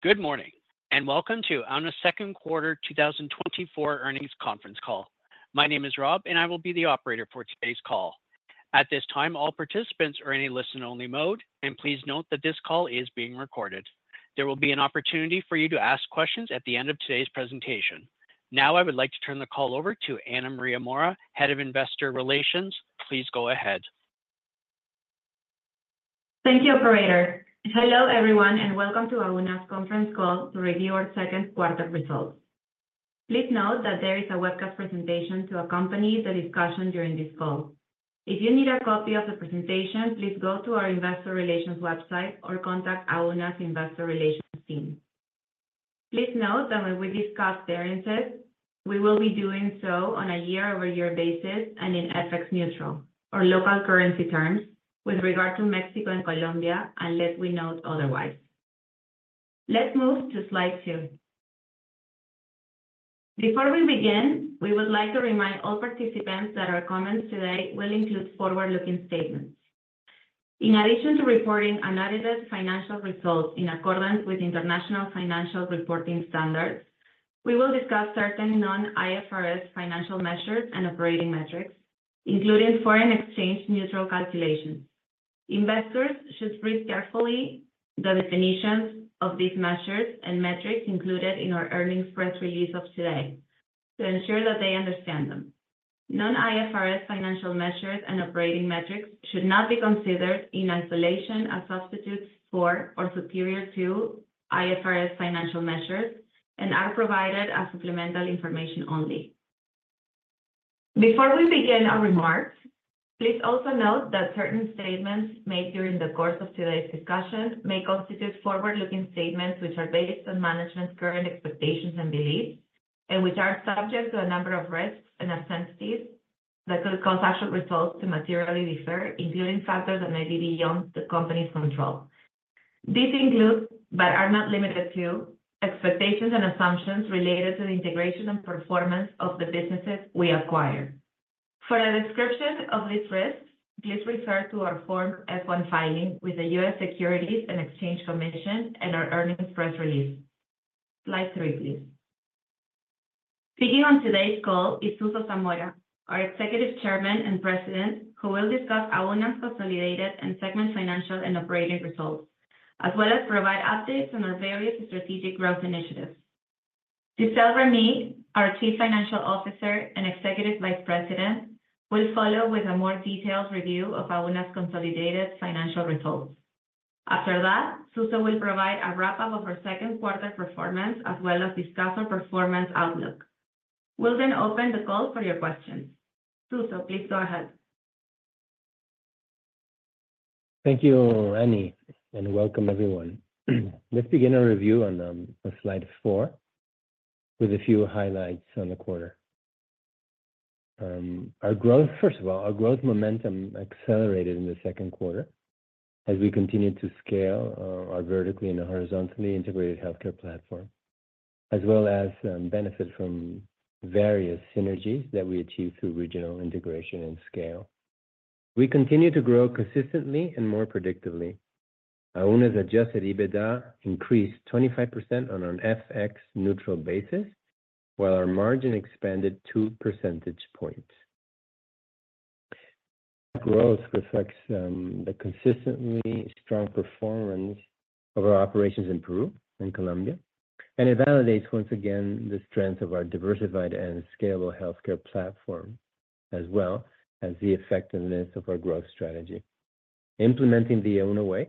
Good morning, and welcome to Auna's second quarter 2024 earnings conference call. My name is Rob, and I will be the operator for today's call. At this time, all participants are in a listen-only mode, and please note that this call is being recorded. There will be an opportunity for you to ask questions at the end of today's presentation. Now, I would like to turn the call over to Ana Maria Mora, Head of Investor Relations. Please go ahead. Thank you, operator. Hello, everyone, and welcome to Auna's conference call to review our second quarter results. Please note that there is a webcast presentation to accompany the discussion during this call. If you need a copy of the presentation, please go to our investor relations website or contact Auna's investor relations team. Please note that when we discuss variances, we will be doing so on a year-over-year basis and in FX neutral or local currency terms with regard to Mexico and Colombia, unless we note otherwise. Let's move to slide two. Before we begin, we would like to remind all participants that our comments today will include forward-looking statements. In addition to reporting unaudited financial results in accordance with International Financial Reporting Standards, we will discuss certain non-IFRS financial measures and operating metrics, including foreign exchange neutral calculations. Investors should read carefully the definitions of these measures and metrics included in our earnings press release of today to ensure that they understand them. Non-IFRS financial measures and operating metrics should not be considered in isolation as substitutes for or superior to IFRS financial measures, and are provided as supplemental information only. Before we begin our remarks, please also note that certain statements made during the course of today's discussion may constitute forward-looking statements, which are based on management's current expectations and beliefs, and which are subject to a number of risks and uncertainties that could cause actual results to materially differ, including factors that may be beyond the company's control. These include, but are not limited to, expectations and assumptions related to the integration and performance of the businesses we acquire. For a description of these risks, please refer to our Form F-1 filing with the U.S. Securities and Exchange Commission and our earnings press release. Slide three, please. Speaking on today's call is Suso Zamora, our Executive Chairman and President, who will discuss Auna's consolidated and segment financial and operating results, as well as provide updates on our various strategic growth initiatives. Gisele Remy, our Chief Financial Officer and Executive Vice President, will follow with a more detailed review of Auna's consolidated financial results. After that, Suso will provide a wrap-up of our second quarter performance, as well as discuss our performance outlook. We'll then open the call for your questions. Suso, please go ahead. Thank you, Annie, and welcome, everyone. Let's begin our review on slide four with a few highlights on the quarter. First of all, our growth momentum accelerated in the second quarter as we continued to scale our vertically and horizontally integrated healthcare platform, as well as benefit from various synergies that we achieved through regional integration and scale. We continued to grow consistently and more predictably. Auna's adjusted EBITDA increased 25% on an FX neutral basis, while our margin expanded two percentage points. Growth reflects the consistently strong performance of our operations in Peru and Colombia, and it validates once again the strength of our diversified and scalable healthcare platform, as well as the effectiveness of our growth strategy. Implementing The Auna Way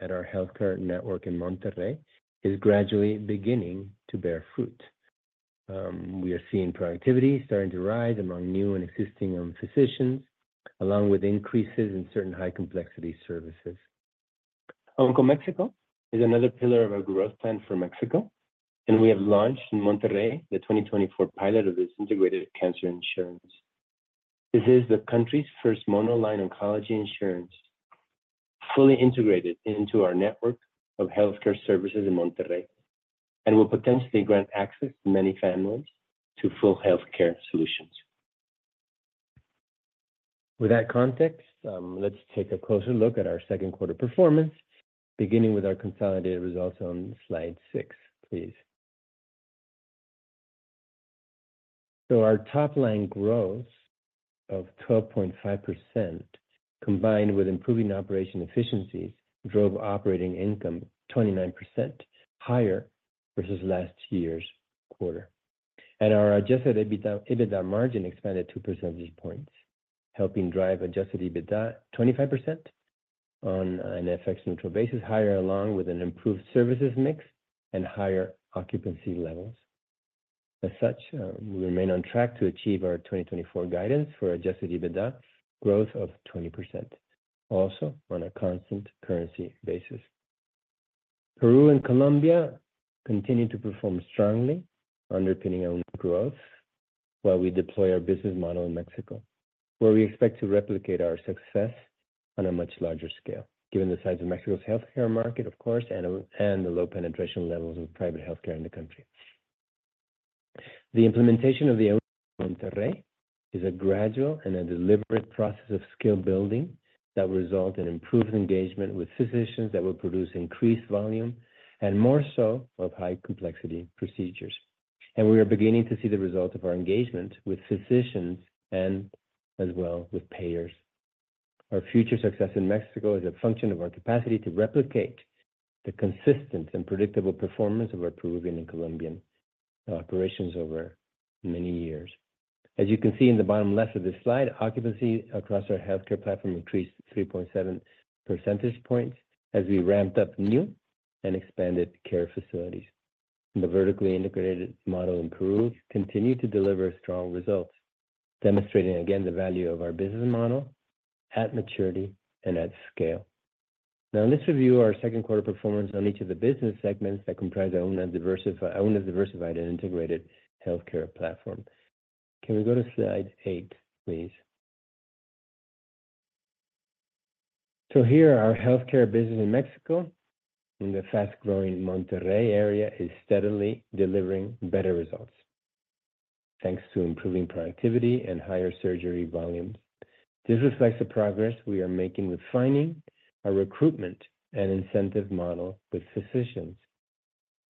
at our healthcare network in Monterrey is gradually beginning to bear fruit. We are seeing productivity starting to rise among new and existing physicians, along with increases in certain high-complexity services. OncoMexico is another pillar of our growth plan for Mexico, and we have launched in Monterrey the 2024 pilot of this integrated cancer insurance. This is the country's first monoline oncology insurance, fully integrated into our network of healthcare services in Monterrey and will potentially grant access to many families to full healthcare solutions. With that context, let's take a closer look at our second quarter performance, beginning with our consolidated results on slide 6, please. So our top-line growth of 12.5%, combined with improving operation efficiencies, drove operating income 29% higher versus last year's quarter. And our adjusted EBITDA, EBITDA margin expanded two percentage points, helping drive adjusted EBITDA 25% higher on an FX neutral basis, along with an improved services mix and higher occupancy levels. As such, we remain on track to achieve our 2024 guidance for adjusted EBITDA growth of 20%, also on a constant currency basis. Peru and Colombia continue to perform strongly, underpinning our growth, while we deploy our business model in Mexico, where we expect to replicate our success on a much larger scale, given the size of Mexico's healthcare market, of course, and the low penetration levels of private healthcare in the country. The implementation of the Monterrey is a gradual and a deliberate process of skill building that will result in improved engagement with physicians, that will produce increased volume, and more so of high complexity procedures. We are beginning to see the results of our engagement with physicians and as well with payers. Our future success in Mexico is a function of our capacity to replicate the consistent and predictable performance of our Peruvian and Colombian operations over many years. As you can see in the bottom left of this slide, occupancy across our healthcare platform increased 3.7 percentage points as we ramped up new and expanded care facilities. The vertically integrated model in Peru continued to deliver strong results, demonstrating again the value of our business model at maturity and at scale. Now, let's review our second quarter performance on each of the business segments that comprise the Auna diversified and integrated healthcare platform. Can we go to slide eight, please? So here, our healthcare business in Mexico, in the fast-growing Monterrey area, is steadily delivering better results, thanks to improving productivity and higher surgery volumes. This reflects the progress we are making with finding a recruitment and incentive model with physicians.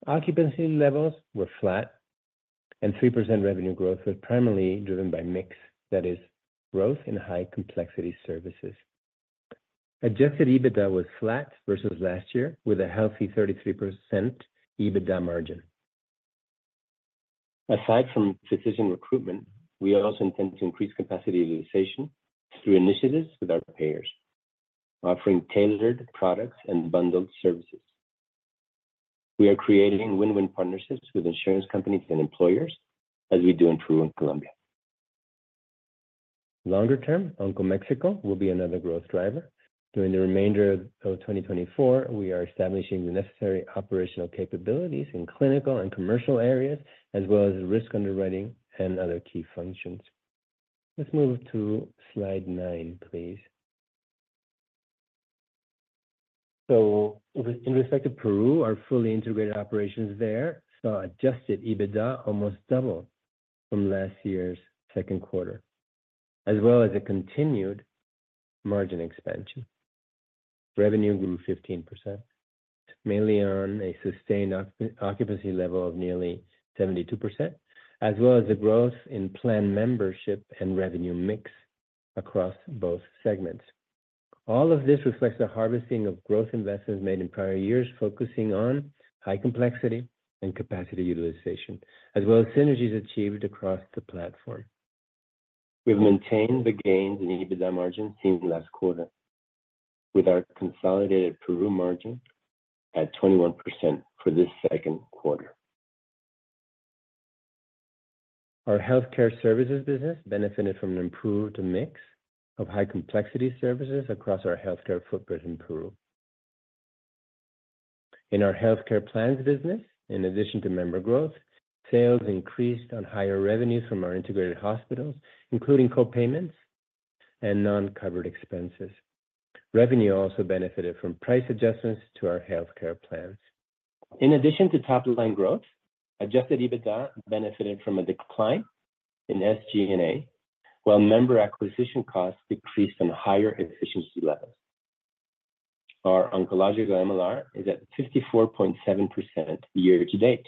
Occupancy levels were flat, and 3% revenue growth was primarily driven by mix, that is, growth in high-complexity services. Adjusted EBITDA was flat versus last year, with a healthy 33% EBITDA margin. Aside from physician recruitment, we also intend to increase capacity utilization through initiatives with our payers, offering tailored products and bundled services. We are creating win-win partnerships with insurance companies and employers as we do in Peru and Colombia. Longer term, OncoMexico will be another growth driver. During the remainder of 2024, we are establishing the necessary operational capabilities in clinical and commercial areas, as well as risk underwriting and other key functions. Let's move to slide nine, please. So, with respect to Peru, our fully integrated operations there saw Adjusted EBITDA almost double from last year's second quarter, as well as a continued margin expansion. Revenue grew 15%, mainly on a sustained occupancy level of nearly 72%, as well as the growth in plan membership and revenue mix across both segments. All of this reflects the harvesting of growth investments made in prior years, focusing on high-complexity and capacity utilization, as well as synergies achieved across the platform. We've maintained the gains in EBITDA margin seen in last quarter, with our consolidated Peru margin at 21% for this second quarter. Our healthcare services business benefited from an improved mix of high-complexity services across our healthcare footprint in Peru. In our healthcare plans business, in addition to member growth, sales increased on higher revenues from our integrated hospitals, including co-payments and non-covered expenses. Revenue also benefited from price adjustments to our healthcare plans. In addition to top-line growth, Adjusted EBITDA benefited from a decline in SG&A, while member acquisition costs decreased on higher efficiency levels. Our oncology MLR is at 54.7% year to date,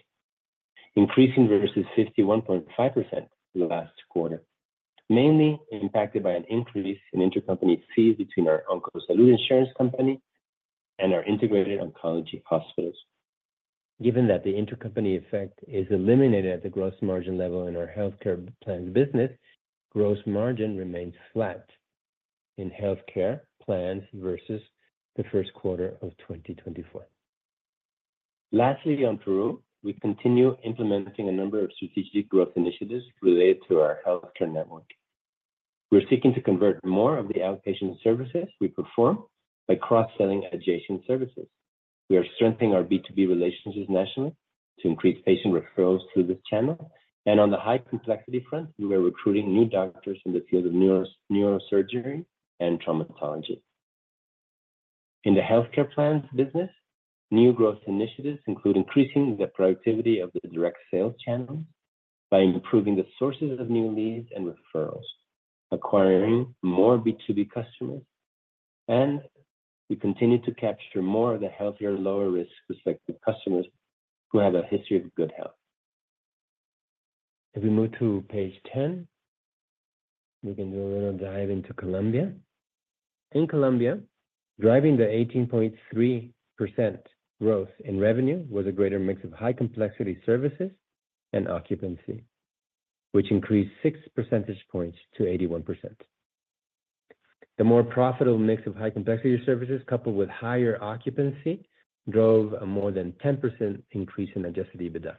increasing versus 51.5% from last quarter, mainly impacted by an increase in intercompany fees between our Oncosalud insurance company and our integrated oncology hospitals. Given that the intercompany effect is eliminated at the gross margin level in our healthcare plan business, gross margin remains flat in healthcare plans versus the first quarter of 2024. Lastly, on Peru, we continue implementing a number of strategic growth initiatives related to our healthcare network. We're seeking to convert more of the outpatient services we perform by cross-selling adjacent services. We are strengthening our B2B relationships nationally to increase patient referrals through this channel. And on the high complexity front, we are recruiting new doctors in the field of neurosurgery and traumatology. In the healthcare plans business, new growth initiatives include increasing the productivity of the direct sales channel by improving the sources of new leads and referrals, acquiring more B2B customers, and we continue to capture more of the healthier, lower-risk, respected customers who have a history of good health. If we move to page 10, we can do a little dive into Colombia. In Colombia, driving the 18.3% growth in revenue was a greater mix of high-complexity services and occupancy, which increased six percentage points to 81%. The more profitable mix of high-complexity services, coupled with higher occupancy, drove a more than 10% increase in Adjusted EBITDA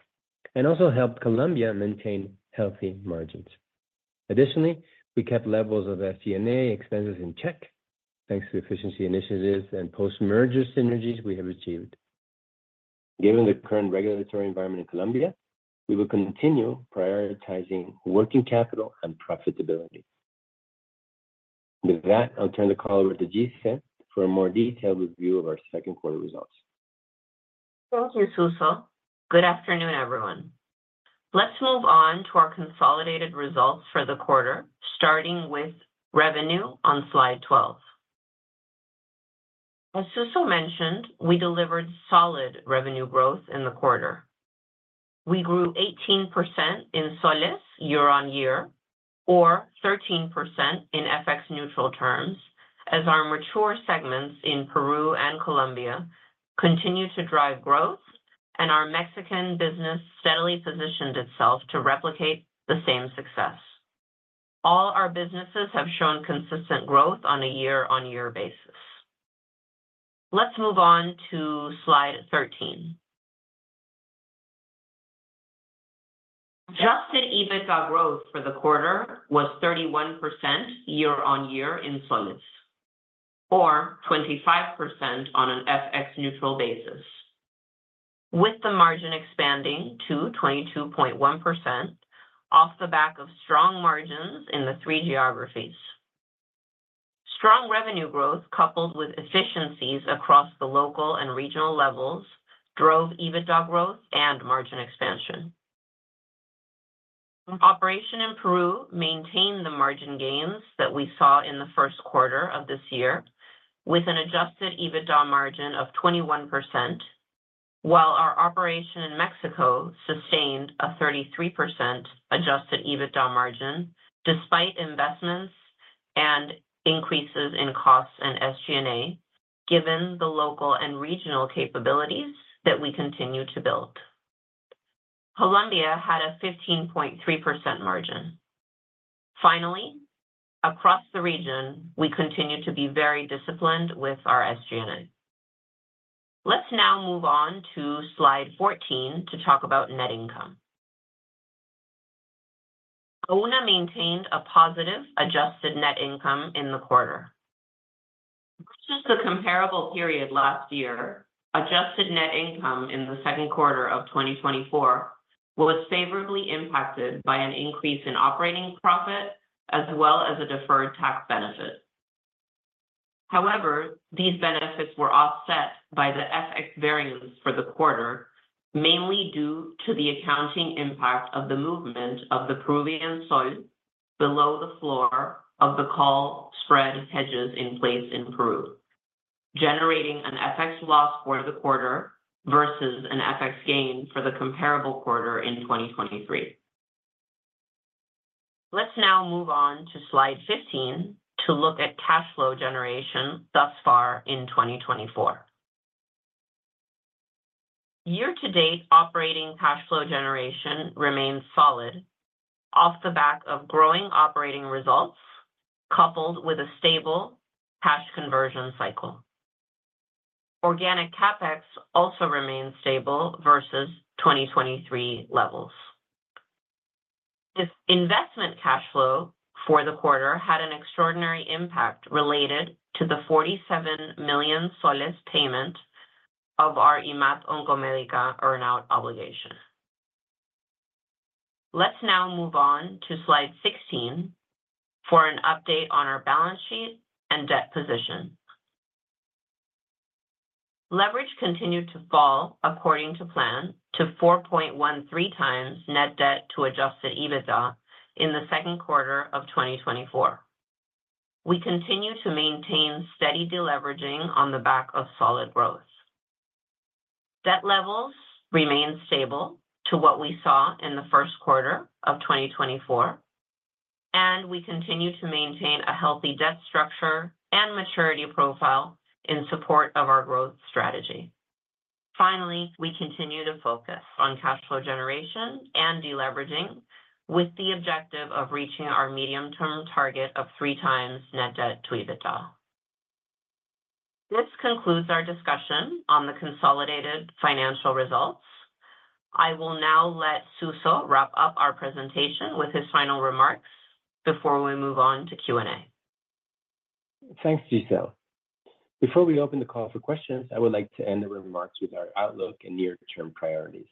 and also helped Colombia maintain healthy margins. Additionally, we kept levels of SG&A expenses in check, thanks to efficiency initiatives and post-merger synergies we have achieved. Given the current regulatory environment in Colombia, we will continue prioritizing working capital and profitability. With that, I'll turn the call over to Gisele for a more detailed review of our second quarter results. Thank you, Suso. Good afternoon, everyone. Let's move on to our consolidated results for the quarter, starting with revenue on slide 12. As Suso mentioned, we delivered solid revenue growth in the quarter. We grew 18% in soles year-on-year, or 13% in FX neutral terms, as our mature segments in Peru and Colombia continued to drive growth, and our Mexican business steadily positioned itself to replicate the same success. All our businesses have shown consistent growth on a year-on-year basis. Let's move on to slide 13. Adjusted EBITDA growth for the quarter was 31% year-on-year in soles, or 25% on an FX neutral basis, with the margin expanding to 22.1% off the back of strong margins in the three geographies. Strong revenue growth, coupled with efficiencies across the local and regional levels, drove EBITDA growth and margin expansion. Operation in Peru maintained the margin gains that we saw in the first quarter of this year, with an Adjusted EBITDA margin of 21%, while our operation in Mexico sustained a 33% Adjusted EBITDA margin, despite investments and increases in costs and SG&A, given the local and regional capabilities that we continue to build. Colombia had a 15.3% margin. Finally, across the region, we continue to be very disciplined with our SG&A. Let's now move on to slide 14 to talk about net income. Auna maintained a positive adjusted net income in the quarter. Just a comparable period last year, adjusted net income in the second quarter of 2024 was favorably impacted by an increase in operating profit as well as a deferred tax benefit. However, these benefits were offset by the FX variance for the quarter, mainly due to the accounting impact of the movement of the Peruvian sol below the floor of the call spread hedges in place in Peru, generating an FX loss for the quarter versus an FX gain for the comparable quarter in 2023. Let's now move on to slide 15 to look at cash flow generation thus far in 2024. Year to date, operating cash flow generation remains solid, off the back of growing operating results, coupled with a stable cash conversion cycle. Organic CapEx also remains stable versus 2023 levels. This investment cash flow for the quarter had an extraordinary impact related to the 47 million soles payment of our IMAT Oncomédica earn-out obligation. Let's now move on to slide 16 for an update on our balance sheet and debt position. Leverage continued to fall, according to plan, to 4.13 times net debt to Adjusted EBITDA in the second quarter of 2024. We continue to maintain steady deleveraging on the back of solid growth. Debt levels remain stable to what we saw in the first quarter of 2024, and we continue to maintain a healthy debt structure and maturity profile in support of our growth strategy. Finally, we continue to focus on cash flow generation and deleveraging, with the objective of reaching our medium-term target of 3 times net debt to EBITDA. This concludes our discussion on the consolidated financial results. I will now let Suso wrap up our presentation with his final remarks before we move on to Q&A. Thanks, Gisele. Before we open the call for questions, I would like to end the remarks with our outlook and near-term priorities.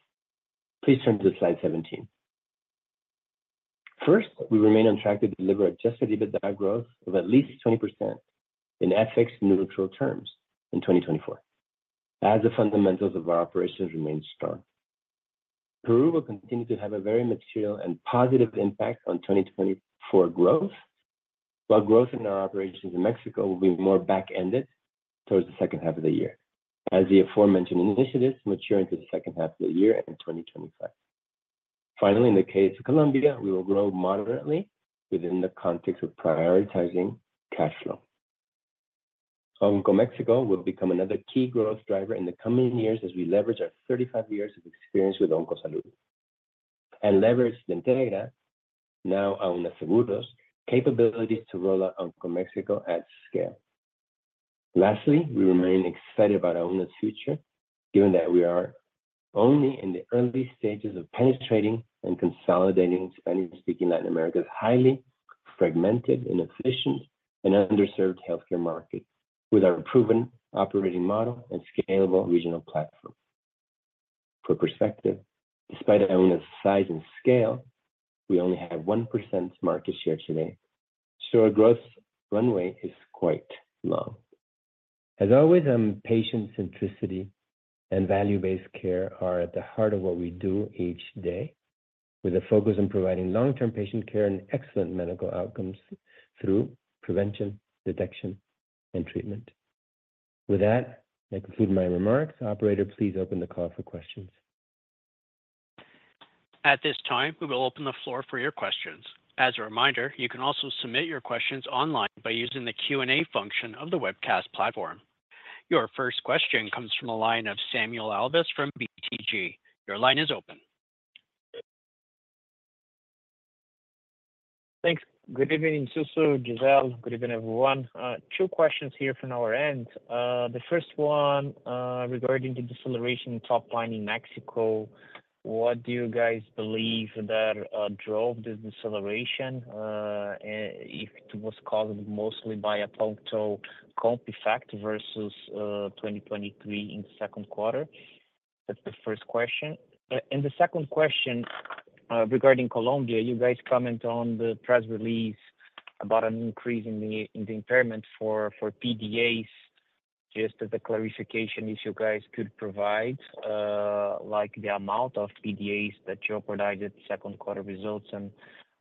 Please turn to slide 17. First, we remain on track to deliver Adjusted EBITDA growth of at least 20% in FX neutral terms in 2024, as the fundamentals of our operations remain strong. Peru will continue to have a very material and positive impact on 2024 growth, while growth in our operations in Mexico will be more back-ended towards the second half of the year, as the aforementioned initiatives mature into the second half of the year and in 2025. Finally, in the case of Colombia, we will grow moderately within the context of prioritizing cash flow. Mexico will become another key growth driver in the coming years as we leverage our 35 years of experience with Oncosalud, and leverage Integra, now Auna Seguros, capabilities to roll out OncoMexico at scale. Lastly, we remain excited about Auna's future, given that we are only in the early stages of penetrating and consolidating Spanish-speaking Latin America's highly fragmented, inefficient, and underserved healthcare market with our proven operating model and scalable regional platform. For perspective, despite our size and scale, we only have 1% market share today, so our growth runway is quite low. As always, patient centricity and value-based care are at the heart of what we do each day, with a focus on providing long-term patient care and excellent medical outcomes through prevention, detection, and treatment. With that, I conclude my remarks. Operator, please open the call for questions. At this time, we will open the floor for your questions. As a reminder, you can also submit your questions online by using the Q&A function of the webcast platform. Your first question comes from the line of Samuel Alves from BTG. Your line is open. Thanks. Good evening, Suso, Gisele. Good evening, everyone. Two questions here from our end. The first one, regarding the deceleration top line in Mexico. What do you guys believe that drove the deceleration? If it was caused mostly by a point comp effect versus 2023 in the second quarter. That's the first question. And the second question, regarding Colombia, you guys comment on the press release about an increase in the impairment for PDAs. Just as a clarification, if you guys could provide like the amount of PDAs that jeopardized second quarter results, and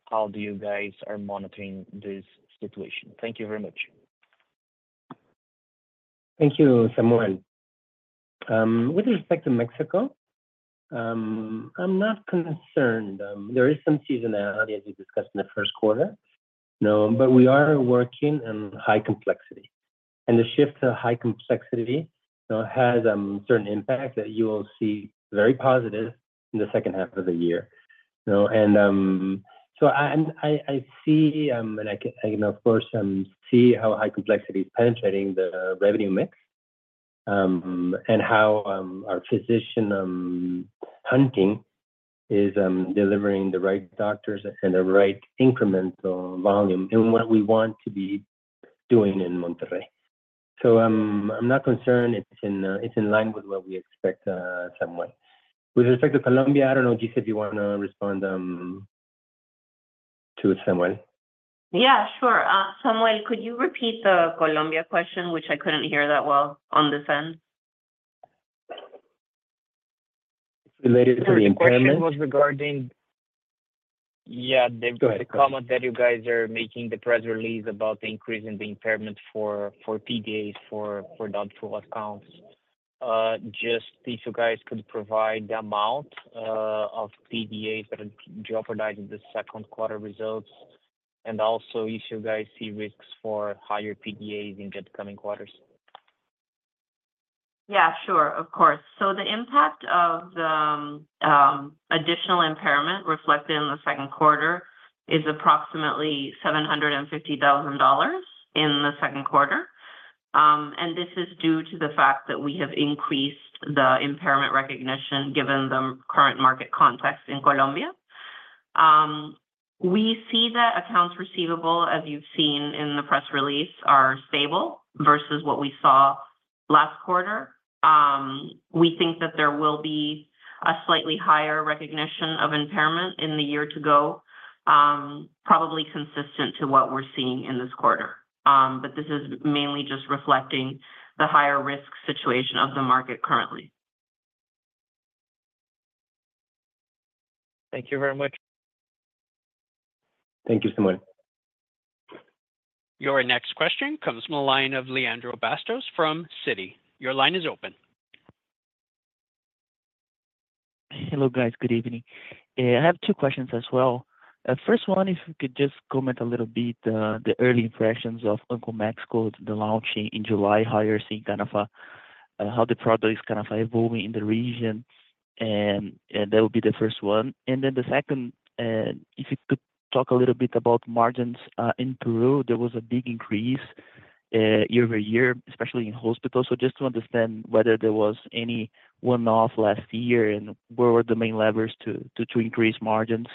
how do you guys are monitoring this situation? Thank you very much. Thank you, Samuel. With respect to Mexico, I'm not concerned. There is some seasonality as we discussed in the first quarter. No, but we are working in high complexity. And the shift to high complexity, you know, has certain impacts that you will see very positive in the second half of the year. So I see and I can of course see how high complexity is penetrating the revenue mix, and how our physician hunting is delivering the right doctors and the right incremental volume, and what we want to be doing in Monterrey. So, I'm not concerned. It's in line with what we expect, Samuel. With respect to Colombia, I don't know, Gisele, if you want to respond to Samuel. Yeah, sure. Samuel, could you repeat the Colombia question, which I couldn't hear that well on this end? It's related to the impairment. The question was regarding... Yeah- Go ahead The comment that you guys are making, the press release about the increase in the impairment for PDAs for doubtful accounts. Just if you guys could provide the amount of PDAs that are jeopardizing the second quarter results, and also if you guys see risks for higher PDAs in the coming quarters. Yeah, sure. Of course, so the impact of the additional impairment reflected in the second quarter is approximately $750,000 in the second quarter, and this is due to the fact that we have increased the impairment recognition, given the current market context in Colombia. We see that accounts receivable, as you've seen in the press release, are stable versus what we saw last quarter. We think that there will be a slightly higher recognition of impairment in the year to go, probably consistent to what we're seeing in this quarter, but this is mainly just reflecting the higher risk situation of the market currently. Thank you very much. Thank you, Samuel. Your next question comes from the line of Leandro Bastos from Citi. Your line is open. Hello, guys. Good evening. I have two questions as well. First one, if you could just comment a little bit, the early impressions of OncoMexico, the launch in July, how you're seeing kind of, how the product is kind of evolving in the region. And that will be the first one. And then the second, if you could talk a little bit about margins. In Peru, there was a big increase, year-over-year, especially in hospitals. So just to understand whether there was any one-off last year, and what were the main levers to increase margins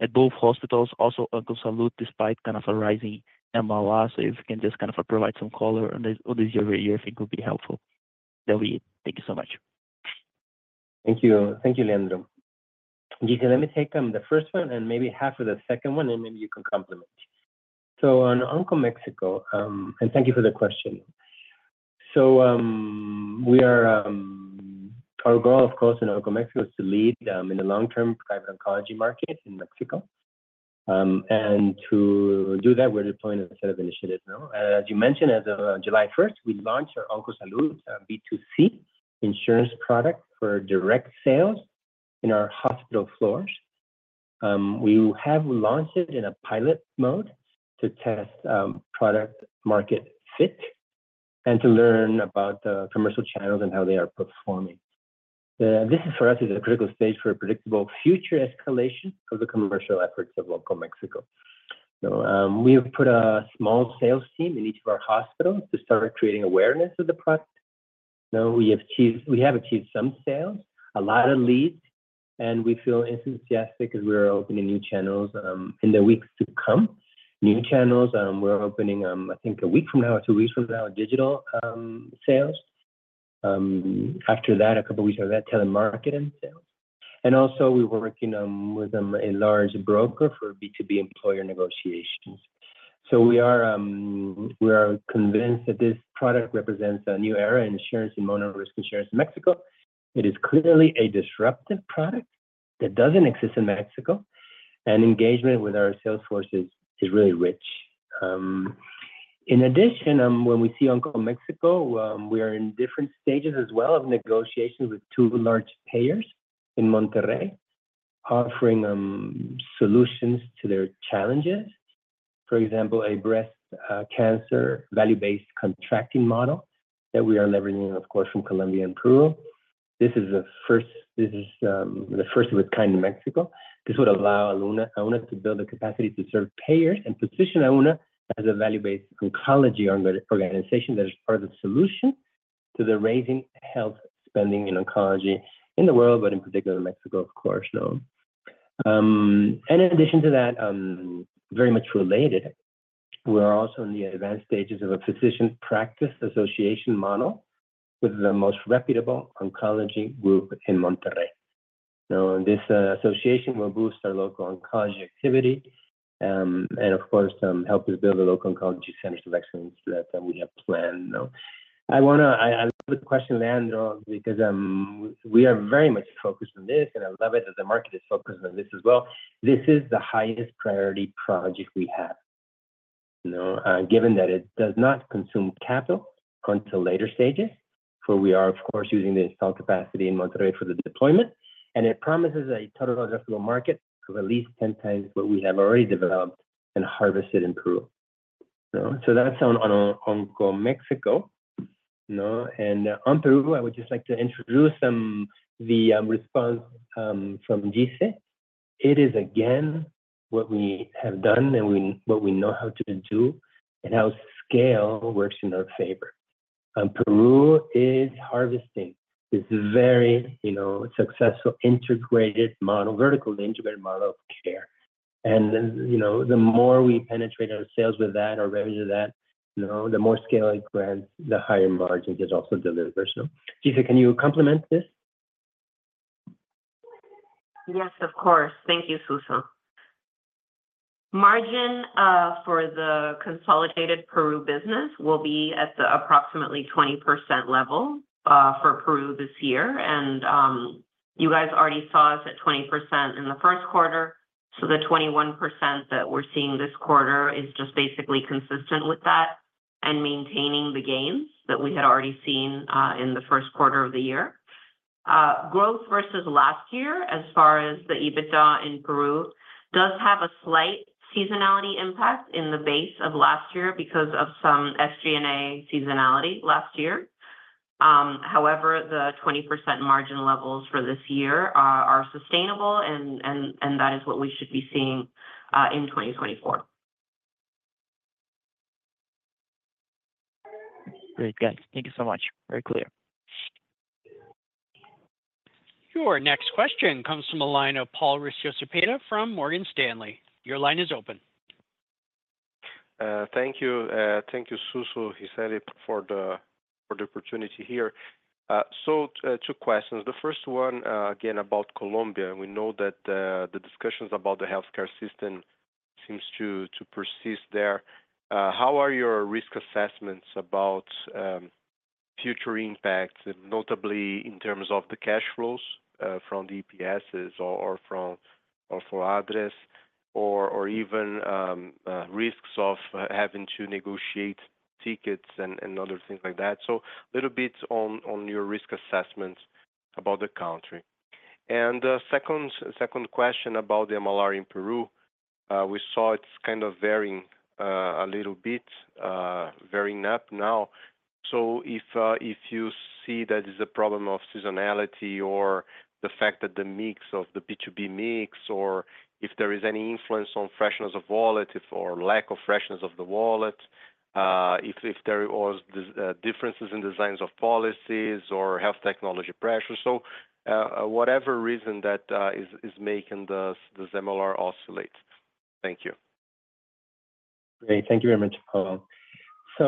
at both hospitals. Also, Oncosalud, despite kind of a rising MLR. So if you can just kind of provide some color on this, year-over-year, I think would be helpful. That will be it. Thank you so much. Thank you. Thank you, Leandro. Gisele, let me take the first one and maybe half of the second one, and maybe you can complement. So, on OncoMexico. And thank you for the question. Our goal, of course, in OncoMexico, is to lead in the long-term private oncology market in Mexico. And to do that, we're deploying a set of initiatives now. As you mentioned, as of July first, we launched our Oncosalud B2C insurance product for direct sales in our hospital floors. We have launched it in a pilot mode to test product market fit and to learn about the commercial channels and how they are performing. This is for us a critical stage for a predictable future escalation of the commercial efforts of OncoMexico. We have put a small sales team in each of our hospitals to start creating awareness of the product. We have achieved some sales, a lot of leads, and we feel enthusiastic as we are opening new channels in the weeks to come. New channels, we're opening, I think a week from now, or two weeks from now, digital sales. After that, a couple weeks after that, telemarketing sales. And also we're working with a large broker for B2B employer negotiations. We are convinced that this product represents a new era in insurance and mono risk insurance in Mexico. It is clearly a disruptive product that doesn't exist in Mexico, and engagement with our sales force is really rich. In addition, when we see OncoMexico, we are in different stages as well of negotiations with two large payers in Monterrey, offering solutions to their challenges. For example, a breast cancer value-based contracting model that we are leveraging, of course, from Colombia and Peru. This is the first of its kind in Mexico. This would allow Auna to build the capacity to serve payers and position Auna as a value-based oncology organization that is part of the solution to the rising health spending in oncology in the world, but in particular in Mexico, of course, now. And in addition to that, very much related, we are also in the advanced stages of a physician practice association model with the most reputable oncology group in Monterrey. Now, this association will boost our local oncology activity, and of course, help us build a local oncology center of excellence that we have planned now. I wanna. I love the question, Andrew, because we are very much focused on this, and I love it that the market is focused on this as well. This is the highest priority project we have, you know, given that it does not consume capital until later stages, for we are, of course, using the installed capacity in Monterrey for the deployment, and it promises a total addressable market of at least ten times what we have already developed and harvested in Peru. So that's on OncoMexico, you know. And on Peru, I would just like to introduce the response from Gisele. It is, again, what we have done and, what we know how to do and how scale works in our favor and Peru is harvesting this very, you know, successful integrated model, vertically integrated model of care and, you know, the more we penetrate our sales with that or revenue to that, you know, the more scale it grants, the higher margin is also delivered there so, Gisele, can you complement this? Yes, of course. Thank you, Suso. Margin for the consolidated Peru business will be at the approximately 20% level for Peru this year. And you guys already saw us at 20% in the first quarter. So the 21% that we're seeing this quarter is just basically consistent with that, and maintaining the gains that we had already seen in the first quarter of the year. Growth versus last year, as far as the EBITDA in Peru, does have a slight seasonality impact in the base of last year because of some SG&A seasonality last year. However, the 20% margin levels for this year are sustainable, and that is what we should be seeing in 2024. Great, guys. Thank you so much. Very clear. Your next question comes from the line of Mauricio Cepeda from Morgan Stanley. Your line is open. Thank you. Thank you, Suso, Gisele, for the opportunity here. So, two questions. The first one, again, about Colombia. We know that the discussions about the healthcare system seems to persist there. How are your risk assessments about future impacts, and notably in terms of the cash flows from the EPSs or from ADRES, or even risks of having to negotiate tickets and other things like that? So a little bit on your risk assessment about the country. And second question about the MLR in Peru. We saw it's kind of varying a little bit, varying up now. So if you see that is a problem of seasonality or the fact that the mix of the B2B mix, or if there is any influence on freshness of wallet, or lack of freshness of the wallet, if there was differences in designs of policies or health technology pressure. So whatever reason that is making this MLR oscillate. Thank you. Great. Thank you very much, Paul. So,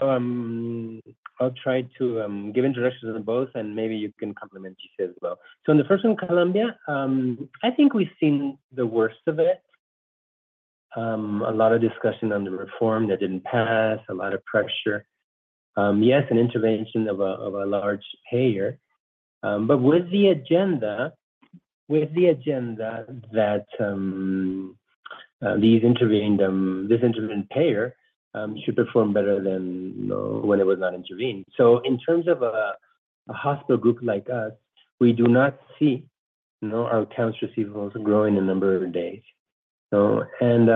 I'll try to give introduction to both, and maybe you can complement Gisele as well. So in the first one, Colombia, I think we've seen the worst of it. A lot of discussion on the reform that didn't pass, a lot of pressure. Yes, an intervention of a large payer, but with the agenda that this intervened payer should perform better than, you know, when it was not intervened. So in terms of a hospital group like us, we do not see, you know, our accounts receivables growing in number every day. So, and,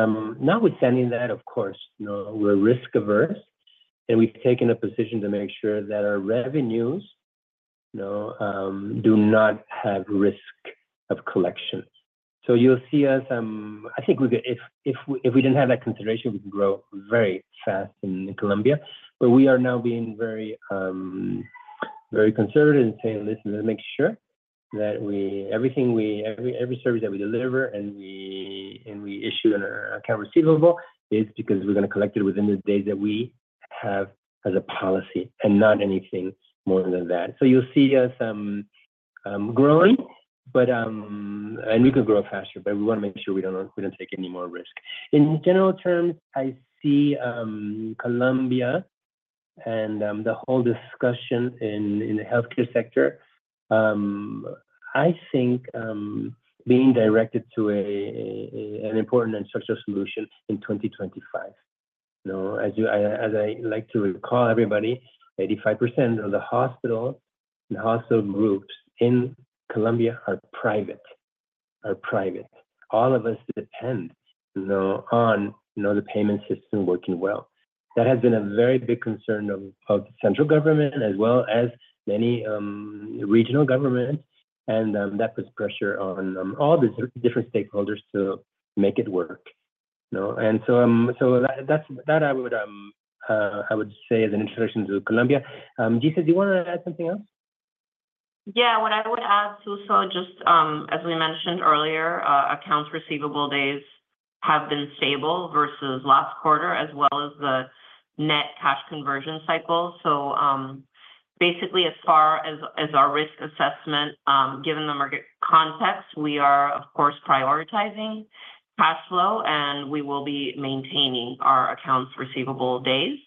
notwithstanding that, of course, you know, we're risk-averse, and we've taken a position to make sure that our revenues, you know, do not have risk of collection. You'll see us. I think we could, if we didn't have that consideration, we could grow very fast in Colombia. But we are now being very, very conservative and saying, "Listen, let's make sure that everything we deliver, every service that we deliver and issue in our account receivable, is because we're gonna collect it within the days that we have as a policy, and not anything more than that." You'll see us growing, but we can grow faster, but we want to make sure we don't take any more risk. In general terms, I see Colombia and the whole discussion in the healthcare sector, I think, being directed to an important infrastructure solution in 2025. You know, as I like to recall everybody, 85% of the hospital and hospital groups in Colombia are private. All of us depend, you know, on the payment system working well. That has been a very big concern of the central government, as well as many regional governments, and that puts pressure on all the different stakeholders to make it work. You know, and so that's what I would say as an introduction to Colombia. Gisele, do you wanna add something else? Yeah. What I would add, Suso, as we mentioned earlier, accounts receivable days have been stable versus last quarter, as well as the net cash conversion cycle. So, basically, as far as our risk assessment, given the market context, we are, of course, prioritizing cash flow, and we will be maintaining our accounts receivable days,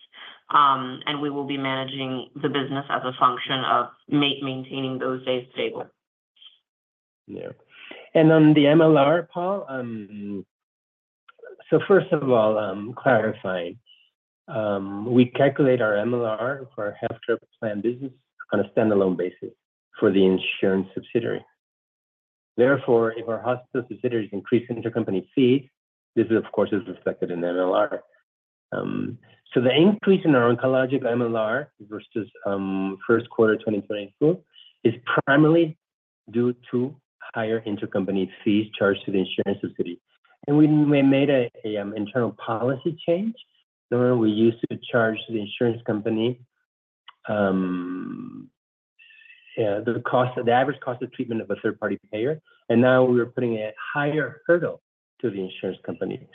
and we will be managing the business as a function of maintaining those days stable. Yeah. And on the MLR, Paul, so first of all, clarifying, we calculate our MLR for our healthcare plan business on a standalone basis for the insurance subsidiary. Therefore, if our hospital subsidiaries increase intercompany fees, this, of course, is reflected in MLR. So the increase in our oncologic MLR versus first quarter 2024 is primarily due to higher intercompany fees charged to the insurance subsidiary. And we made an internal policy change, where we used to charge the insurance company the cost, the average cost of treatment of a third-party payer, and now we're putting a higher hurdle to the insurance company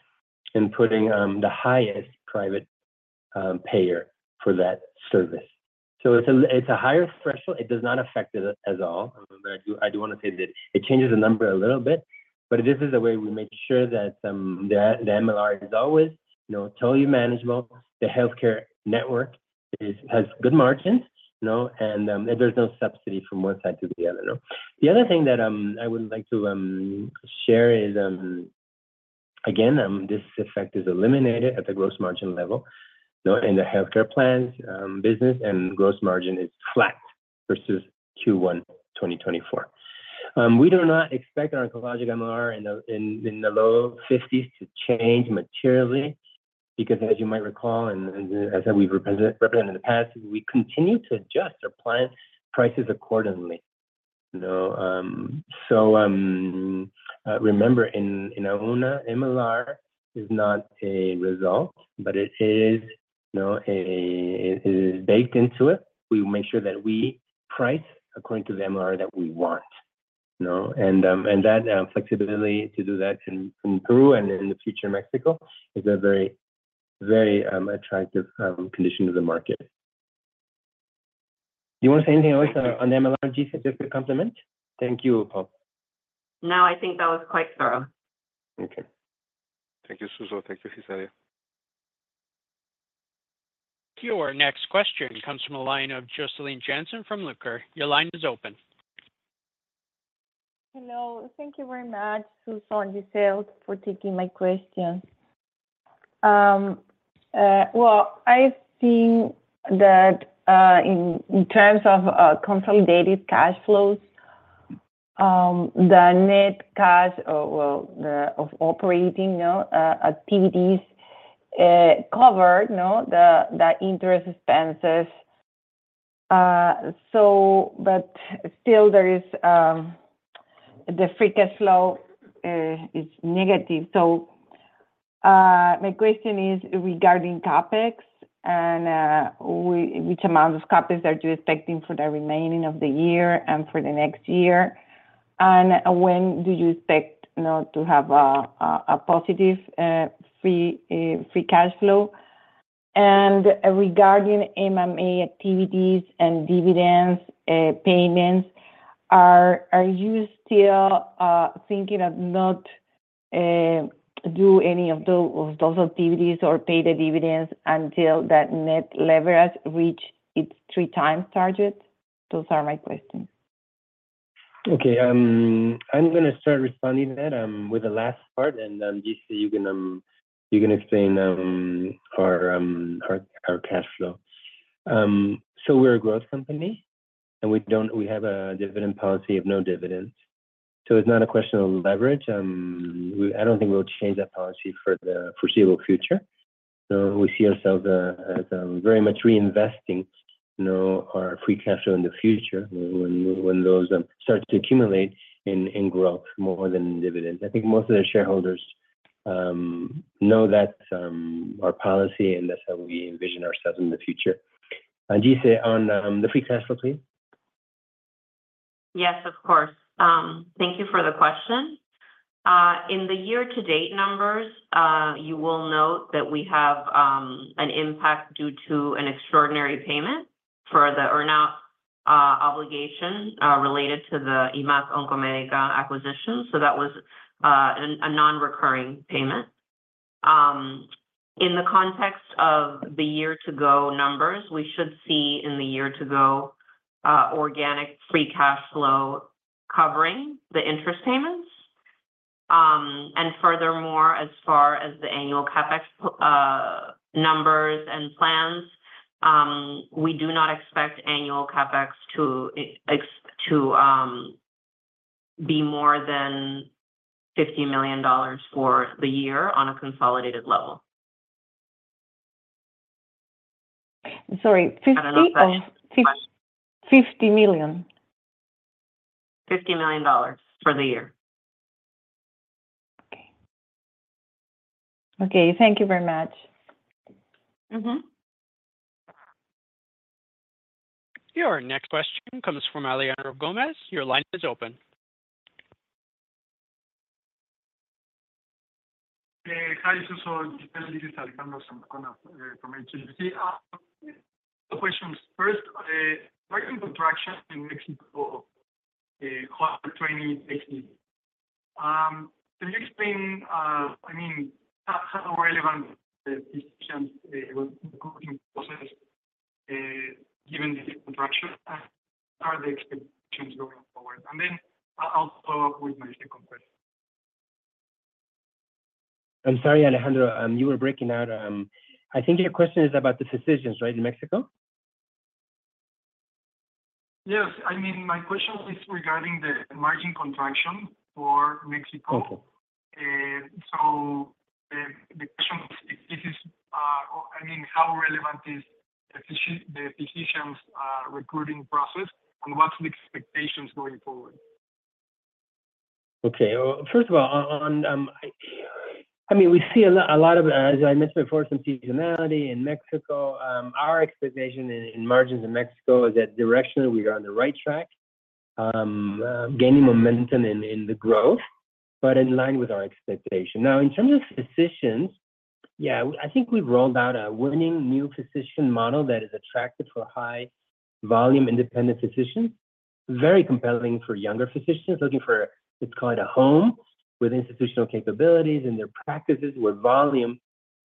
and putting the highest private payer for that service. So it's a higher threshold. It does not affect it at all. I do wanna say that it changes the number a little bit, but this is the way we make sure that the MLR is always, you know, totally manageable, the healthcare network has good margins, you know, and there's no subsidy from one side to the other, no. The other thing that I would like to share is, again, this effect is eliminated at the gross margin level, you know, in the healthcare plans business, and gross margin is flat versus Q1, 2024. We do not expect our oncologic MLR in the low fifties to change materially, because as you might recall, and as we've represented in the past, we continue to adjust our plan prices accordingly. You know, so, remember, in Auna, MLR is not a result, but it is, you know, it is baked into it. We make sure that we price according to the MLR that we want, you know? And that flexibility to do that in Peru and in the future, Mexico, is a very, very attractive condition to the market. Do you want to say anything else on the MLR, Gisele, just to complement? Thank you, Paul. No, I think that was quite thorough. Okay. Thank you, Suso. Thank you, Gisele. Your next question comes from the line of Josseline Jenssen from Lucror. Your line is open. Hello. Thank you very much, Suso and Gisele, for taking my question. Well, I've seen that in terms of consolidated cash flows, the net cash from operating you know activities covered you know the interest expenses. So but still there is the free cash flow is negative. So, my question is regarding CapEx and which amount of CapEx are you expecting for the remaining of the year and for the next year? And when do you expect, you know, to have a positive free cash flow? And regarding M&A activities and dividends payments, are you still thinking of not do any of those activities or pay the dividends until that net leverage reach its three times target? Those are my questions. Okay, I'm gonna start responding to that with the last part, and then, Gisele, you can explain our cash flow. So we're a growth company, and we have a dividend policy of no dividends, so it's not a question of leverage. I don't think we'll change that policy for the foreseeable future. So we see ourselves as very much reinvesting, you know, our free cash flow in the future when those start to accumulate in growth more than dividends. I think most of the shareholders know that's our policy and that's how we envision ourselves in the future. And Gisele, on the free cash flow, please. Yes, of course. Thank you for the question. In the year-to-date numbers, you will note that we have an impact due to an extraordinary payment for the earn-out obligation related to the IMAT Oncomédica acquisition. So that was a non-recurring payment. In the context of the year-to-go numbers, we should see in the year-to-go organic free cash flow covering the interest payments. And furthermore, as far as the annual CapEx numbers and plans, we do not expect annual CapEx to be more than $50 million for the year on a consolidated level. Sorry, 50 or- I don't know if that. Fifty million? $50 million for the year. Okay. Okay, thank you very much. Mm-hmm. Your next question comes from Alejandro Gomez. Your line is open. Hi, Suso. This is Alejandro from HSBC. Two questions. First, margin contraction in Mexico, quarter 28. Can you explain, I mean, how relevant the decisions, recruiting process, given the contraction, and are the expectations going forward? Then I'll follow up with my second question. I'm sorry, Alejandro, you were breaking out. I think your question is about the physicians, right, in Mexico? Yes. I mean, my question is regarding the margin contraction for Mexico. Okay. So, the question is, this is, I mean, how relevant is the physicians recruiting process, and what's the expectations going forward? Okay. Well, first of all, I mean, we see a lot, a lot of, as I mentioned before, some seasonality in Mexico. Our expectation in margins in Mexico is that directionally we are on the right track, gaining momentum in the growth, but in line with our expectation. Now, in terms of physicians, yeah, I think we've rolled out a winning new physician model that is attractive for high volume independent physicians, very compelling for younger physicians looking for, let's call it, a home with institutional capabilities in their practices, where volume,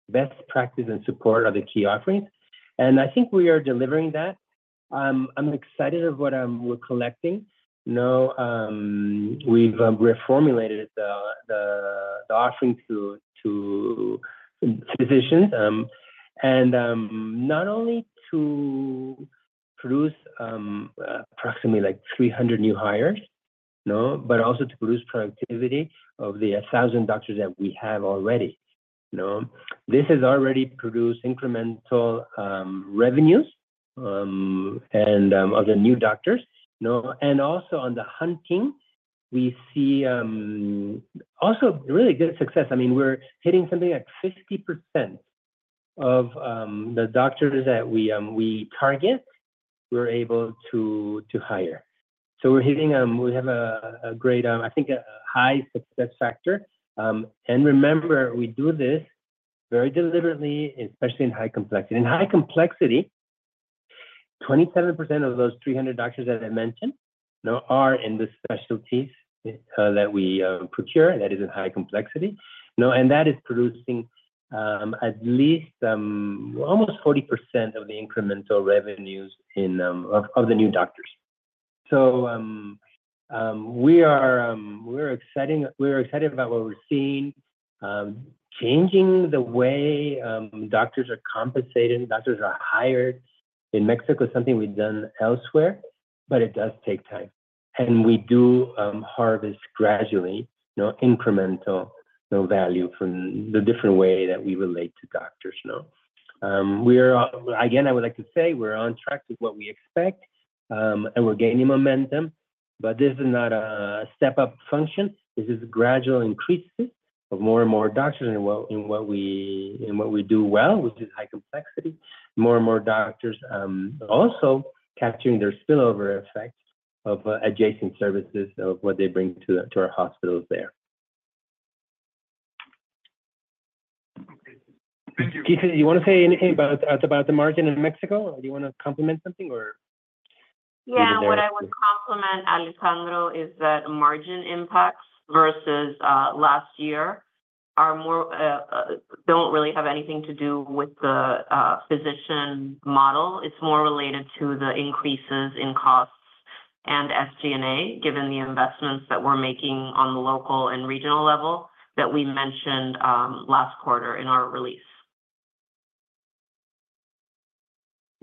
best practice and support are the key offerings. And I think we are delivering that. I'm excited of what we're collecting. You know, we've reformulated the offering to physicians, and not only to produce approximately like 300 new hires, you know, but also to produce productivity of the 1,000 doctors that we have already, you know. This has already produced incremental revenues, and of the new doctors, you know. And also on the hunting, we see also really good success. I mean, we're hitting something like 60% of the doctors that we target, we're able to hire. So we're hitting. We have a great, I think a high success factor. And remember, we do this very deliberately, especially in high complexity. In high complexity, 27% of those 300 doctors that I mentioned, you know, are in the specialties that we procure, that is in high complexity. You know, and that is producing at least almost 40% of the incremental revenues of the new doctors, so we're excited about what we're seeing. Changing the way doctors are compensated, doctors are hired in Mexico is something we've done elsewhere, but it does take time, and we do harvest gradually, you know, incremental, you know, value from the different way that we relate to doctors, you know. Again, I would like to say we're on track with what we expect, and we're gaining momentum, but this is not a step-up function. This is a gradual increase of more and more doctors in what we do well, which is high complexity. More and more doctors also capturing their spillover effects of adjacent services of what they bring to our hospitals there. Okay. Thank you. Gisele, you want to say anything about the margin in Mexico? Do you want to complement something, or? Yeah. Maybe there- What I would complement, Alejandro, is that margin impacts versus last year are more don't really have anything to do with the physician model. It's more related to the increases in costs and SG&A, given the investments that we're making on the local and regional level that we mentioned last quarter in our release.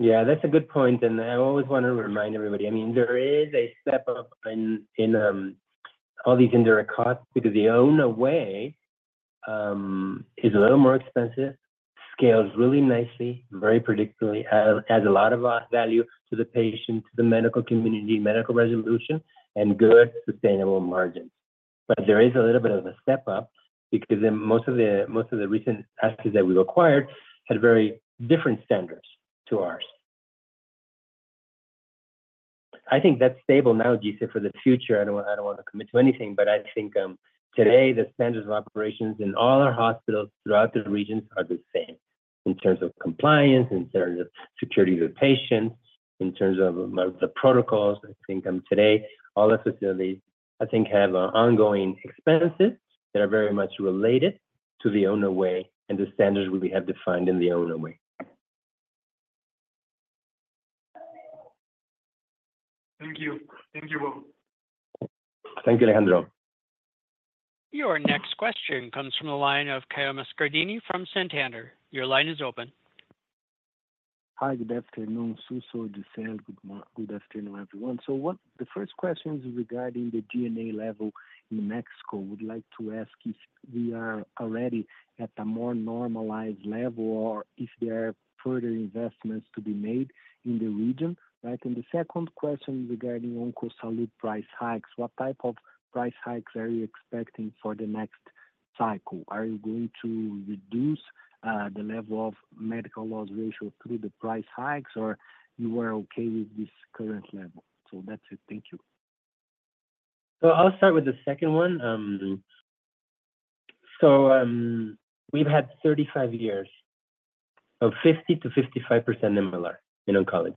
Yeah, that's a good point, and I always wanna remind everybody, I mean, there is a step up in all these indirect costs, because The Auna Way is a little more expensive, scales really nicely, very predictably, adds a lot of value to the patient, to the medical community, medical resolution, and good sustainable margins. But there is a little bit of a step up because then most of the, most of the recent assets that we acquired had very different standards to ours. I think that's stable now, Gisele, for the future, I don't, I don't wanna commit to anything, but I think, today, the standards of operations in all our hospitals throughout the regions are the same in terms of compliance, in terms of security of the patients, in terms of the protocols. I think, today, all the facilities, I think, have ongoing expenses that are very much related to the Auna Way and the standards we have defined in the Auna Way. Thank you. Thank you, Will. Thank you, Alejandro. Your next question comes from the line of Caio Moscardini from Santander. Your line is open. Hi, good afternoon, Suso, Gisele. Good afternoon, everyone. The first question is regarding the SG&A level in Mexico. We'd like to ask if we are already at a more normalized level or if there are further investments to be made in the region, right? And the second question regarding Oncosalud price hikes. What type of price hikes are you expecting for the next cycle? Are you going to reduce the level of medical loss ratio through the price hikes, or you are okay with this current level? So that's it. Thank you. I'll start with the second one. We've had 35 years of 50%-55% MLR in oncology.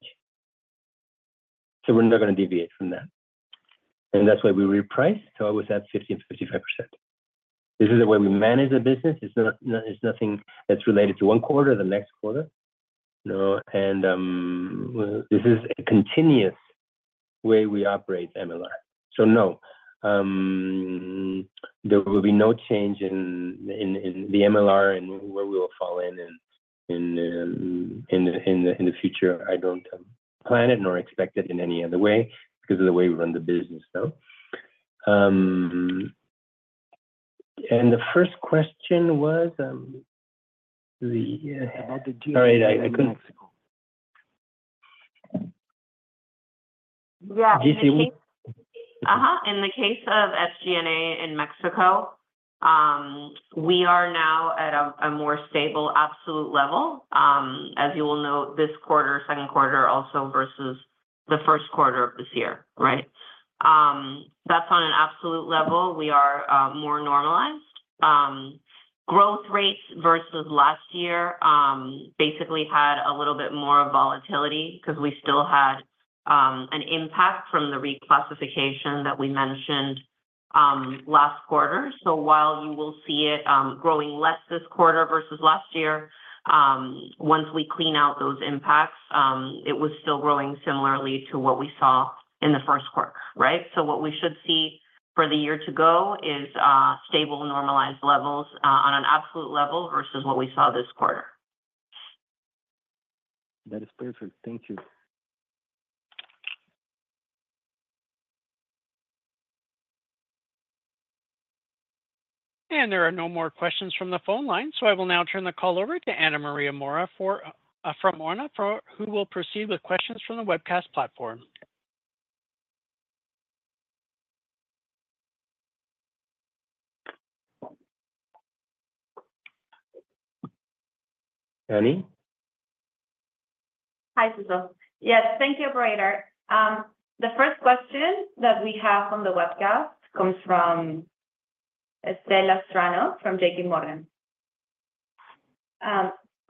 We're not gonna deviate from that. That's why we reprice, so always at 50% and 55%. This is the way we manage the business. It's not, it's nothing that's related to one quarter or the next quarter. No, this is a continuous way we operate MLR. No, there will be no change in the MLR and where we will fall in the future. I don't plan it nor expect it in any other way because of the way we run the business. The first question was... About the GNA in Mexico. All right, I couldn't- Yeah. Gisele? In the case of SG&A in Mexico, we are now at a more stable, absolute level. As you will note, this quarter, second quarter, also versus the first quarter of this year, right? That's on an absolute level. We are more normalized. Growth rates versus last year basically had a little bit more volatility because we still had an impact from the reclassification that we mentioned last quarter. So while you will see it growing less this quarter versus last year, once we clean out those impacts, it was still growing similarly to what we saw in the first quarter, right? So what we should see for the year to go is stable, normalized levels on an absolute level versus what we saw this quarter. That is perfect. Thank you. There are no more questions from the phone line, so I will now turn the call over to Ana Maria Mora, who will proceed with questions from the webcast platform. Annie? Hi, Suso. Yes, thank you, operator. The first question that we have on the webcast comes from Stella Strano, from JPMorgan.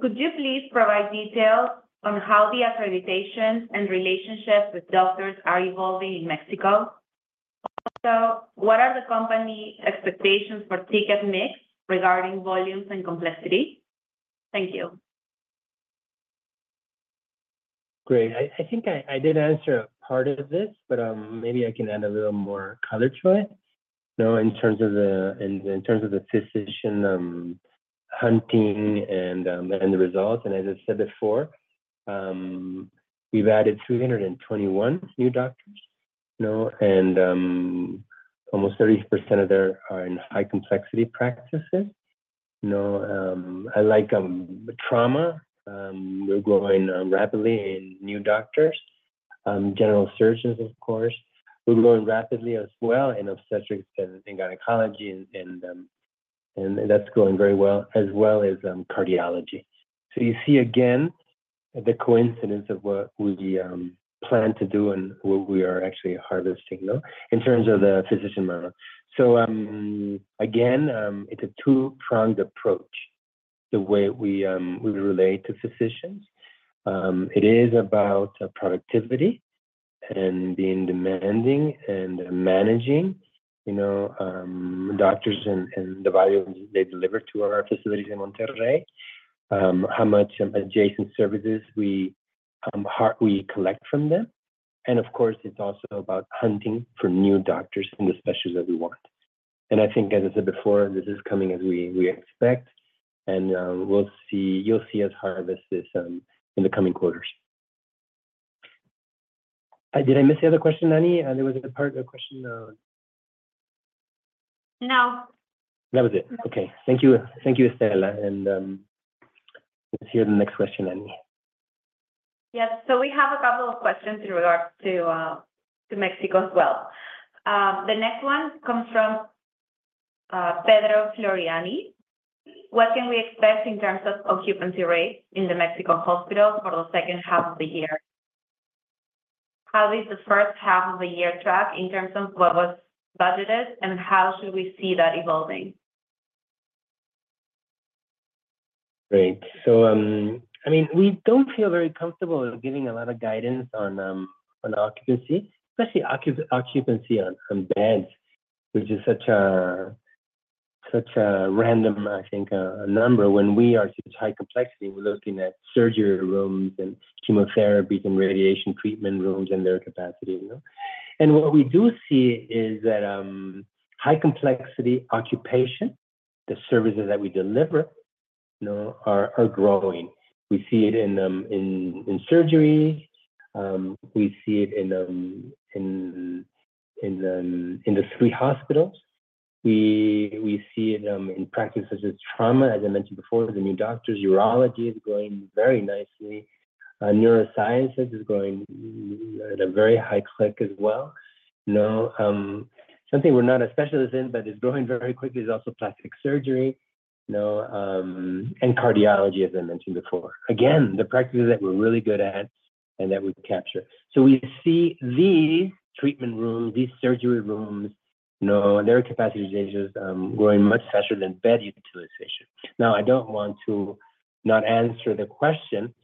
Could you please provide details on how the accreditations and relationships with doctors are evolving in Mexico? Also, what are the company expectations for ticket mix regarding volumes and complexity? Thank you. Great. I think I did answer a part of this, but maybe I can add a little more color to it. You know, in terms of the physician hunting and the results. And as I said before, we've added 121 new doctors, you know, and almost 30% of them are in high complexity practices. You know, I like trauma. We're growing rapidly in new doctors, general surgeons, of course. We're growing rapidly as well in obstetrics and gynecology, and that's growing very well, as well as cardiology. So you see, again, the coincidence of what we plan to do and what we are actually harvesting, though, in terms of the physician model. Again, it's a two-pronged approach, the way we relate to physicians. It is about productivity and being demanding and managing, you know, doctors and the value they deliver to our facilities in Monterrey, how much adjacent services we harvest from them. And of course, it's also about hunting for new doctors in the specialties that we want. I think, as I said before, this is coming as we expect, and we'll see. You'll see us harvest this in the coming quarters. Did I miss the other question, Annie? There was a part, a question. No. That was it. Okay. Thank you. Thank you, Estella, and, let's hear the next question, Annie. Yes. So we have a couple of questions in regards to, to Mexico as well. The next one comes from, Pedro Floriani: "What can we expect in terms of occupancy rate in the Mexico hospital for the second half of the year? How is the first half of the year track in terms of what was budgeted, and how should we see that evolving? Great. So, I mean, we don't feel very comfortable in giving a lot of guidance on occupancy, especially occupancy on beds, which is such a random, I think, a number when we are such high complexity. We're looking at surgery rooms and chemotherapy and radiation treatment rooms and their capacity, you know. And what we do see is that high complexity occupancy, the services that we deliver, you know, are growing. We see it in surgery. We see it in the three hospitals. We see it in practices as trauma, as I mentioned before, the new doctors. Urology is growing very nicely. Neurosciences is growing at a very high clip as well. You know, something we're not as specialists in, but is growing very quickly, is also plastic surgery, you know, and cardiology, as I mentioned before. Again, the practices that we're really good at and that we capture. So we see these treatment rooms, these surgery rooms, you know, and their capacity is growing much faster than bed utilization. Now, I don't want to not answer the question.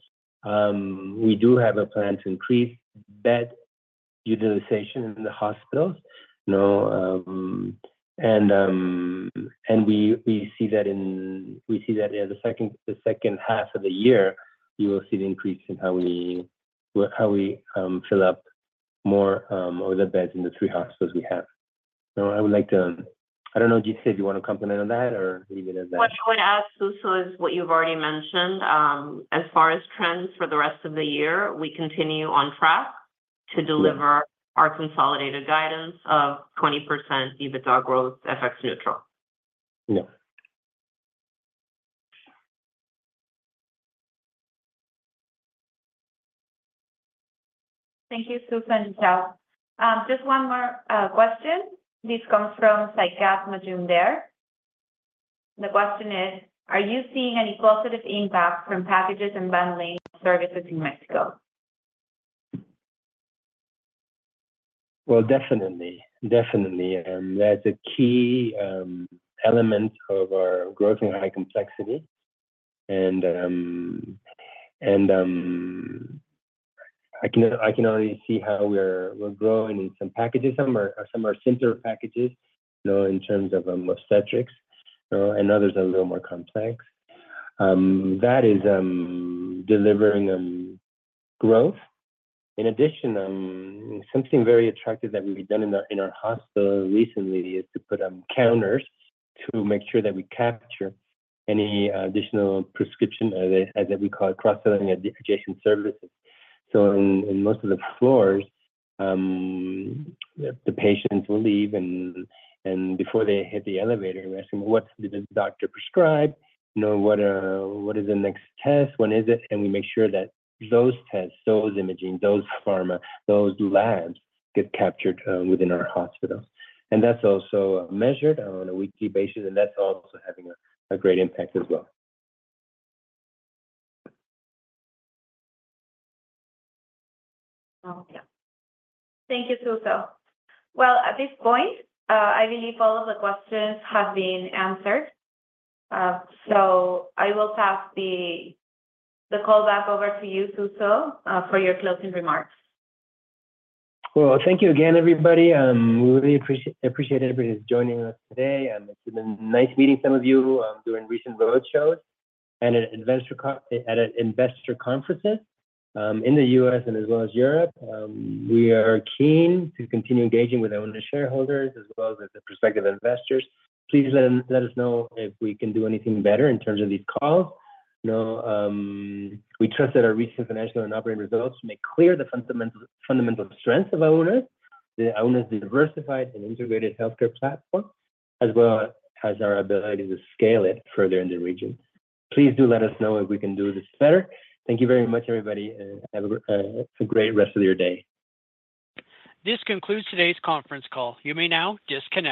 We do have a plan to increase bed utilization in the hospitals, you know, and we see that in the second half of the year, you will see the increase in how we fill up more all the beds in the three hospitals we have. So I would like to... I don't know, Gisele, do you want to comment on that, or leave it at that? What I would add, Suso, is what you've already mentioned. As far as trends for the rest of the year, we continue on track- Yeah To deliver our consolidated guidance of 20% EBITDA growth, FX neutral. Yeah. Thank you, Suso and Gisele. Just one more question. This comes from Saikat Majumder. The question is: "Are you seeing any positive impact from packages and bundling services in Mexico? Definitely. Definitely, and that's a key element of our growth and high complexity. And I can already see how we're growing in some packages. Some are simpler packages, you know, in terms of obstetrics, and others are a little more complex. That is delivering growth. In addition, something very attractive that we've done in our hospital recently is to put up counters to make sure that we capture any additional prescription, as we call it, cross-selling adjacent services. So in most of the floors, the patients will leave, and before they hit the elevator, we ask them, "What did the doctor prescribe? You know, what, what is the next test? When is it?" And we make sure that those tests, those imaging, those pharma, those labs, get captured within our hospital. And that's also measured on a weekly basis, and that's also having a great impact as well. Oh, yeah. Thank you, Suso. Well, at this point, I believe all of the questions have been answered. So I will pass the call back over to you, Suso, for your closing remarks. Thank you again, everybody. We really appreciate everybody who's joining us today, and it's been nice meeting some of you, during recent roadshows and at investor conferences, in the U.S. and as well as Europe. We are keen to continue engaging with our shareholders as well as the prospective investors. Please let us know if we can do anything better in terms of these calls. You know, we trust that our recent financial and operating results make clear the fundamental strength of Auna. Auna is a diversified and integrated healthcare platform, as well as our ability to scale it further in the region. Please do let us know if we can do this better. Thank you very much, everybody, and have a great rest of your day. This concludes today's conference call. You may now disconnect.